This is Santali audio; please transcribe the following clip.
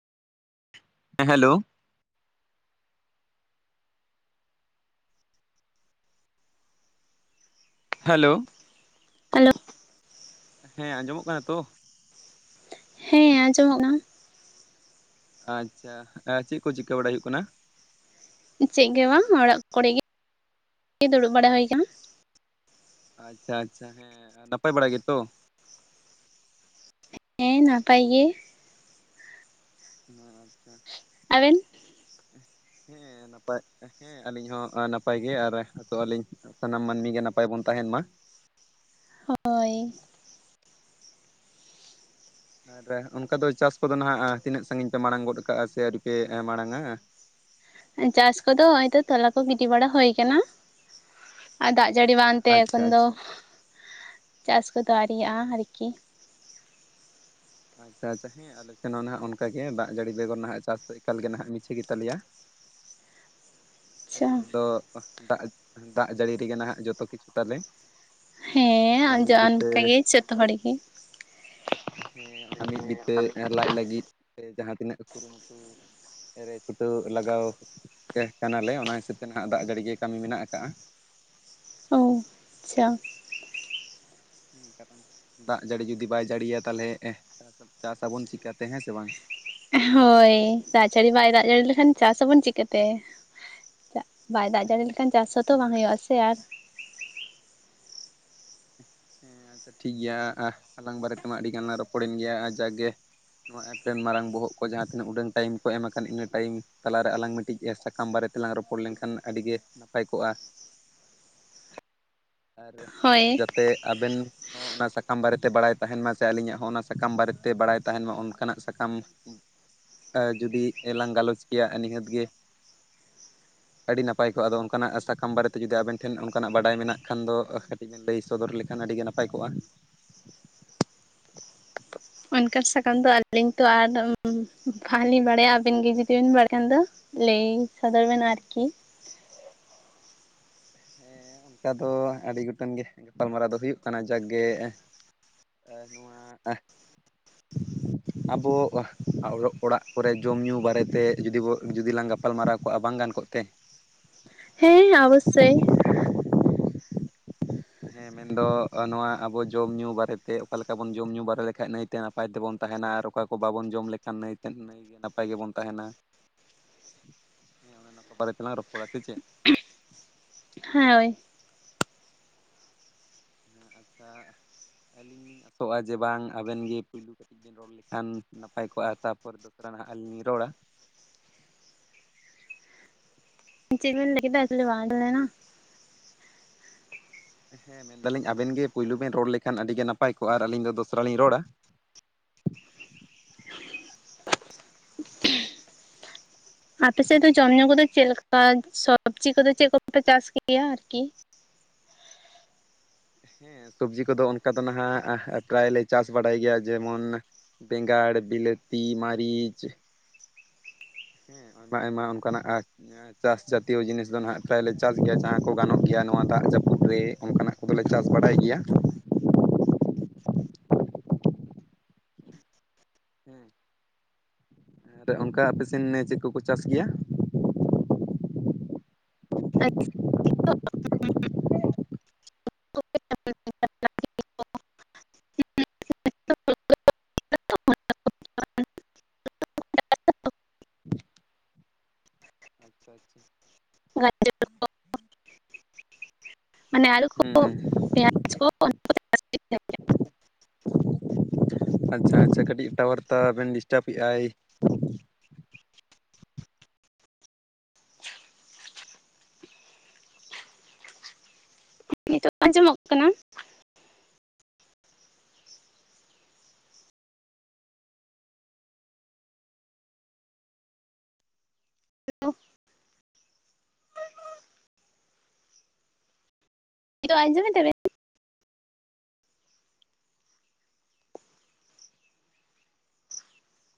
ᱦᱮᱸ ᱦᱮᱞᱳ ᱦᱮᱞᱳ? ᱦᱮᱞᱳ ᱦᱮᱸ ᱟᱸᱡᱚᱢᱚᱜ ᱠᱟᱱᱟ ᱛᱚ? ᱦᱮᱸ ᱟᱸᱡᱚᱢᱚᱜ ᱠᱟᱱᱟ᱾ ᱟᱪᱪᱷᱟ ᱪᱮᱫ ᱠᱚ ᱪᱤᱠᱟᱹ ᱵᱟᱲᱟᱭ ᱦᱩᱭᱩᱜ ᱠᱟᱱᱟ ᱪᱮᱫ ᱜᱮ ᱵᱟᱝ᱾ ᱚᱲᱟᱜ ᱠᱚᱨᱮ ᱜᱮ ᱫᱩᱲᱩᱵ ᱵᱟᱲᱟ ᱦᱩᱭ ᱠᱟᱱᱟ᱾ ᱟᱪᱪᱷᱟ ᱟᱪᱪᱷᱟ ᱦᱮᱸ ᱱᱟᱯᱟᱭ ᱵᱟᱲᱟ ᱜᱮᱛᱚ? ᱦᱮᱸ ᱱᱟᱯᱟᱭ ᱜᱮ᱾ ᱟᱪᱪᱷᱟ ᱟᱵᱤᱱ ᱦᱮᱸ ᱱᱟᱯᱟᱭ ᱦᱮᱸ ᱟᱹᱞᱤᱧ ᱦᱚᱸ ᱱᱟᱯᱟᱭ ᱜᱮ᱾ ᱟᱨ ᱦᱚᱥᱚ-ᱜ ᱟᱹᱞᱤᱧ ᱥᱟᱱᱟᱢ ᱢᱟᱹᱱᱢᱤ ᱜᱮ᱾ ᱱᱟᱯᱟᱭ ᱵᱚᱱ ᱛᱟᱦᱮᱱ ᱢᱟ᱾ ᱦᱳᱭ ᱟᱨ ᱚᱱᱠᱟ ᱫᱚ ᱪᱟᱥ ᱠᱚᱼᱫᱚ ᱱᱟ᱾ ᱦᱟᱜ ᱛᱤᱱᱟᱹᱜ ᱥᱟᱺᱜᱤᱧ ᱯᱮ ᱢᱟᱲᱟᱝ ᱜᱚᱫ ᱠᱟᱜᱼᱟ᱾ ᱥᱮ ᱟᱹᱣᱨᱤ ᱯᱮ ᱢᱟᱲᱟᱝᱼᱟ᱾ ᱪᱟᱥ ᱠᱚᱼᱫᱚ ᱱᱚᱜ ᱚᱭ ᱛᱚ, ᱛᱚᱞᱟ ᱠᱚ ᱜᱤᱰᱤ ᱵᱟᱲᱟ ᱦᱩᱭ ᱟᱠᱟᱱᱟ᱾ ᱟᱨ ᱫᱟᱜ ᱡᱟᱹᱲᱤ ᱵᱟᱝᱛᱮ, ᱟᱪᱪᱷᱟ ᱮᱠᱷᱚᱱ ᱫᱚ ᱟᱪᱪᱷᱟ ᱪᱟᱥ ᱠᱚᱼᱫᱚ ᱟᱨᱮᱭᱟᱜᱼᱟ᱾ ᱟᱨᱠᱤ ᱾ ᱟᱪᱪᱷᱟ ᱟᱪᱪᱷᱟ ᱦᱮᱸ ᱟᱞᱮᱱ ᱦᱚᱸ ᱱᱟᱦᱟ-ᱜ ᱚᱱᱠᱮ ᱫᱟᱜ ᱡᱟᱹᱲᱤ ᱵᱮᱜᱽᱚᱨ ᱦᱟᱸᱜ, ᱪᱟᱥ ᱫᱚ ᱮᱠᱟᱞ ᱜᱮ ᱱᱟᱦᱟ-ᱜ ᱢᱤᱪᱷᱟᱹ ᱜᱮᱛᱟᱞᱮᱭᱟ ᱾ ᱮᱸ ᱟᱪᱪᱷᱟ ᱢᱮᱱᱫᱚᱸ ᱫᱟᱜ ᱫᱟᱜ ᱡᱟᱹᱲᱤ ᱨᱮᱜᱮ ᱱᱟᱦᱟᱸᱜ ᱡᱚᱛᱚ ᱠᱤᱪᱷᱩ ᱛᱟᱞᱮ ᱾ ᱦᱮᱸᱟᱱᱡᱤ ᱚᱱᱠᱟ ᱜᱮ, ᱡᱚᱛᱚ ᱦᱚᱲ ᱜᱮ ᱾ ᱦᱮᱸ ᱚᱱᱟ ᱢᱤᱫ ᱵᱤᱛᱟᱹ ᱞᱟᱡ ᱞᱟᱹᱜᱤᱫ ᱥᱮ ᱡᱟᱦᱟᱸ ᱛᱤᱱᱟᱹᱜ ᱠᱩᱨᱩᱢᱩᱴᱩ ᱨᱮ ᱪᱷᱩᱴᱟᱹᱣ ᱞᱟᱜᱟᱣ ᱠᱟᱱᱟᱞᱮ, ᱚᱱᱟ ᱦᱤᱥᱟᱹᱵᱽ ᱛᱮ ᱱᱟᱦᱟ-ᱜ ᱫᱟᱜ ᱡᱟᱹᱲᱤ ᱜᱮ, ᱠᱟᱹᱢᱤ ᱢᱮᱱᱟᱜ ᱟᱠᱟᱫᱼᱟ ᱾ ᱚ ᱟᱪᱪᱷᱟ [unintelligible] ᱫᱟᱜ ᱡᱟᱹᱲᱤ ᱡᱩᱫᱤ ᱵᱟᱭ ᱡᱟᱹᱲᱤᱭᱟ᱾ ᱛᱟᱦᱚᱞᱮ ᱪᱟᱥ ᱟᱵᱚᱱ ᱪᱤᱠᱠᱟᱛᱮ ᱦᱮᱸ ᱥᱮ ᱵᱟᱝ ᱾ ᱦᱳᱭ᱾ ᱫᱟᱜ ᱡᱟᱹᱲᱤ ᱵᱟᱭ ᱫᱟᱜ ᱡᱟᱹᱲᱤ ᱞᱮᱠᱷᱟᱱ᱾ ᱪᱟᱥ ᱟᱵᱚᱱ ᱪᱮᱫᱠᱟᱛᱮ ᱾ ᱵᱟᱭ ᱫᱟᱜ ᱡᱟᱹᱲᱤ ᱞᱮᱠᱷᱟᱱ᱾ ᱪᱟᱥ ᱦᱚᱸᱛᱚᱸ ᱵᱟᱝ ᱦᱮᱸ ᱦᱩᱭᱩᱜᱼᱟ᱾ ᱥ ᱥᱮ ᱟᱨ ᱦᱮᱸ ᱟᱪᱪᱷᱟ ᱴᱷᱤᱠ ᱜᱮᱭᱟ᱾ ᱦᱟᱞᱟᱝ ᱵᱟᱨᱮ ᱛᱮᱢᱟ ᱟᱹᱰᱤᱜᱟᱱ ᱞᱟᱝ ᱨᱚᱯᱚᱲᱮᱱ ᱜᱮᱭᱟ᱾ ᱡᱟᱜᱠᱮ ᱱᱚᱣᱟ ᱮᱯᱨᱮ ᱨᱮᱱ ᱢᱟᱨᱟᱝ ᱵᱚᱦᱚᱜ ᱠᱚ, ᱡᱟᱦᱟᱸ ᱛᱤᱱᱟᱹᱜ ᱩᱰᱟᱹ ᱴᱟᱭᱤᱢ ᱠᱚ ᱮᱢ ᱟᱠᱟᱱ ᱾ ᱤᱱᱟᱹ ᱴᱟᱭᱤᱢ ᱛᱟᱞᱟᱨᱮ ᱟᱞᱟᱝ ᱢᱤᱫᱴᱤᱡ ᱮᱸ ᱥᱟᱠᱟᱢ ᱵᱟᱨᱮᱛᱮ ᱛᱮᱞᱟᱝ ᱨᱚᱯᱚᱲ ᱞᱮᱱᱠᱷᱟᱱ ᱟᱹᱰᱤ ᱜᱮ ᱱᱟᱯᱟᱭ ᱠᱚᱜᱼᱟ ᱾ ᱟᱨ ᱦᱳᱭ ᱡᱟᱛᱮ ᱟᱵᱮᱱ ᱦᱚᱸ ᱚᱱᱟ ᱥᱟᱠᱟᱢ ᱵᱟᱨᱮᱛᱮ ᱵᱟᱲᱟᱭ ᱛᱟᱦᱮᱱ ᱢᱟ᱾ ᱥᱮ ᱟᱹᱞᱤᱧᱟᱜ ᱦᱚᱸ ᱚᱱᱟ ᱥᱟᱠᱟᱢ ᱵᱟᱨᱮᱛᱮ ᱵᱟᱲᱟᱭ ᱛᱟᱦᱮᱱ ᱢᱟ᱾ ᱚᱱᱠᱟᱱᱟ-ᱜ ᱥᱟᱠᱟᱢ ᱮᱸ ᱡᱩᱫᱤ ᱞᱟᱝ ᱜᱟᱞᱚᱪ ᱠᱮᱭᱟ ᱱᱤᱦᱟᱹᱛ ᱜᱮ ᱟᱹᱰᱤ ᱱᱟᱯᱟᱭ ᱠᱚᱜᱼᱟ᱾ ᱟᱫᱚ ᱚᱱᱠᱟᱱᱟ-ᱜ ᱥᱟᱠᱟᱢ ᱵᱟᱨᱮᱛᱮ ᱡᱩᱫᱤ ᱟᱵᱮᱱ ᱴᱷᱮᱱ ᱚᱱᱠᱟᱱᱟ-ᱜ ᱵᱟᱰᱟᱭ ᱢᱮᱱᱟᱜ ᱠᱷᱟᱱ ᱫᱚ, ᱠᱟᱹᱴᱤᱡ ᱵᱮᱱ ᱞᱟᱹᱭ ᱥᱚᱫᱽᱚᱨ ᱞᱮᱠᱷᱟᱱ ᱟᱹᱰᱤᱜᱮ ᱱᱟᱯᱟᱭ ᱠᱚᱜᱼᱟ ᱾ ᱚᱱᱠᱟᱱ ᱥᱟᱠᱟᱢ ᱫᱚᱸ ᱟᱹᱞᱤᱧ ᱛᱚᱸ ᱟᱨ ᱵᱷᱟᱞᱤᱧ ᱵᱟᱲᱟᱭᱟ᱾ ᱟᱵᱤᱱ ᱜᱮ ᱡᱩᱫᱤᱵᱤᱱ ᱵᱟᱲᱟᱭ ᱠᱷᱟᱱ ᱫᱚ ᱾ ᱞᱟᱹᱭ ᱥᱚᱫᱽᱚᱨ ᱵᱮᱱᱟ ᱟᱨᱠᱤ᱾ ᱦᱮᱸ ᱚᱱᱠᱟ ᱫᱚ ᱟᱹᱰᱤ ᱜᱚᱴᱟᱝ ᱜᱮ ᱜᱟᱯᱟᱞᱢᱟᱨᱟᱣ ᱫᱚ ᱦᱩᱭᱩᱜ ᱠᱟᱱᱟ ᱡᱟᱠᱜᱮ ᱮ, ᱱᱚᱣᱟ ᱟᱵᱚ ᱚᱲᱟᱜ ᱠᱚᱨᱮ ᱡᱚᱢ-ᱧᱩ ᱵᱟᱨᱮᱛᱮ ᱡᱩᱫᱤ ᱵᱚ, ᱡᱩᱫᱤ ᱞᱟᱝ ᱜᱟᱯᱟ ᱜᱟᱯᱟᱞᱢᱟᱨᱟᱣ ᱠᱚᱜ-ᱟ ᱵᱟᱝ ᱜᱟᱱ ᱠᱚᱜ ᱛᱮ? ᱦᱮᱸ ᱚᱵᱚᱥᱥᱳᱭ᱾ ᱦᱮᱸ ᱢᱮ᱾ ᱢᱮᱱᱫᱚ ᱱᱚᱣᱟ ᱟᱵᱚ ᱡᱚᱢ-ᱧᱩ ᱵᱟᱨᱮᱛᱮ ᱚᱠᱟ ᱞᱮᱠᱟ ᱵᱚᱱ ᱡᱚᱢ-ᱧᱩ ᱵᱟᱨᱮ ᱞᱮᱠᱷᱟᱡ ᱱᱟᱹᱭᱛᱮ ᱱᱟᱯᱟᱭ ᱛᱮᱵᱚᱱ ᱛᱟᱸᱦᱮᱱᱟ ᱟᱨ ᱚᱠᱟ ᱠᱚ ᱵᱟᱵᱚᱱ ᱡᱚᱢ ᱞᱮᱠᱷᱟᱱ ᱱᱟᱹᱭᱛᱮ, ᱱᱟᱹᱭ ᱜᱮ ᱱᱟᱯᱟᱭ ᱜᱮᱵᱚᱱ ᱛᱟᱸᱦᱮᱱᱟ᱾ ᱦᱮᱸ ᱚᱱᱮ ᱚᱱᱟ ᱠᱚ ᱵᱟᱨᱮ ᱛᱮᱞᱟᱝ ᱨᱚᱯᱚᱲᱟ ᱥᱮ ᱪᱮᱫ? ᱦᱳᱭ᱾ ᱦᱮᱸ ᱟᱪᱪᱷᱟ ᱟᱹᱞᱤᱧ ᱞᱤᱧ ᱟᱥᱚᱜ-ᱟ, ᱡᱮ ᱵᱟᱝ ᱟᱵᱮᱱ ᱜᱮ ᱯᱳᱭᱞᱳ ᱠᱟᱹᱴᱤᱡ ᱵᱤᱱ ᱨᱚᱲ ᱞᱮᱠᱷᱟᱱ ᱱᱟᱯᱟᱭ ᱠᱚᱜ-ᱟ ᱛᱟᱯᱚᱨ ᱫᱚᱥᱨᱟ ᱱᱟᱜ ᱟᱹᱞᱤᱧ ᱞᱤᱧ ᱨᱚᱲᱟ᱾ ᱪᱮᱫ ᱵᱮᱱ ᱞᱟᱹᱭ ᱠᱮᱫᱟ [unintelligible] ᱵᱟᱝ ᱟᱡᱚᱢ ᱞᱮᱱᱟ? ᱦᱮᱸ ᱢᱮᱱᱫᱟᱞᱤᱧ ᱟᱵᱮᱱ ᱜᱮ ᱯᱳᱭᱞᱳ ᱵᱮᱱ ᱨᱚᱲ ᱞᱮᱠᱷᱟᱱ ᱟᱹᱰᱤᱜ ᱜᱮ ᱱᱟᱯᱟᱭ ᱠᱚᱜ-ᱟ ᱟᱨ ᱟᱹᱞᱤᱧ ᱫᱚᱥᱨᱟ ᱞᱤᱧ ᱨᱚᱲᱟ᱾ ᱟᱯᱮ ᱥᱮᱫ ᱫᱚ ᱡᱚᱢ-ᱧᱩ ᱠᱚᱫᱚ ᱪᱮᱫᱞᱮᱠᱟ, ᱥᱚᱵᱽᱡᱤ ᱠᱚᱫᱚ ᱪᱮᱫ ᱠᱚᱯᱮ ᱪᱟᱥ ᱜᱮᱭᱟ ᱟᱨᱠᱤ? ᱦᱮᱸ ᱥᱚᱵᱽᱡᱤ ᱠᱚᱫᱚ ᱚᱱᱠᱟ ᱫᱚ ᱱᱟᱦᱟᱜ ᱯᱨᱟᱭᱞᱮ ᱪᱟᱥ ᱵᱟᱲᱟᱭ ᱜᱮᱭᱟ ᱡᱮᱢᱚᱱ ᱵᱮᱸᱜᱟᱲ, ᱵᱤᱞᱟᱹᱛᱤ, ᱢᱟᱹᱨᱤᱪ᱾ ᱦᱮᱸ ᱚᱱᱟ ᱟᱭᱢᱟ ᱚᱱᱠᱟᱱᱟᱜ ᱟᱨ ᱮᱸ, ᱪᱟᱥ ᱡᱟᱛᱤᱭᱚ ᱡᱤᱱᱤᱥ ᱫᱚ ᱱᱟᱦᱟᱜ ᱯᱨᱟᱭᱞᱮ ᱪᱟᱥ ᱜᱮᱭᱟ ᱡᱟᱦᱟᱸ ᱠᱚ ᱜᱟᱱᱚᱜ ᱜᱮᱭᱟ ᱱᱚᱣᱟ ᱫᱟᱜ ᱡᱟᱹᱯᱩᱫ ᱨᱮ ᱚᱱᱠᱟᱱᱟᱜ᱾ ᱟᱫᱚᱞᱮ ᱪᱟᱥ ᱵᱟᱲᱟᱭ ᱜᱮᱭᱟ᱾ ᱦᱮᱸ ᱟᱨ ᱚᱱᱠᱟ ᱟᱯᱮ ᱥᱮᱱ ᱪᱮᱫ ᱠᱚᱠᱚ ᱪᱟᱥ ᱜᱮᱭᱟ? [unintelligible] [unintelligible] ᱟᱪᱪᱷᱟ ᱟᱪᱪᱷᱟ᱾ ᱚᱱᱟ ᱡᱮ ᱢᱟᱱᱮ ᱟᱹᱞᱩ ᱠᱚ ᱯᱮᱸᱭᱟᱡᱽ ᱠᱚ ᱦᱩᱸ᱾ ᱟᱪᱪᱷᱟ ᱟᱪᱪᱷᱟ ᱠᱟᱹᱴᱤᱡ ᱴᱟᱣᱟᱨ ᱛᱟ ᱵᱮᱱ ᱰᱤᱥᱴᱟᱵᱮᱜ-ᱟᱭ᱾ ᱱᱤᱛᱚᱜ ᱟᱸᱡᱚᱢᱚᱜ ᱠᱟᱱᱟ? ᱱᱤᱛᱳᱜ ᱟᱡᱚᱢᱮᱫᱟᱵᱮᱱ?